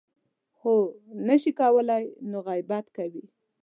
خو نه شي کولی نو غیبت کوي .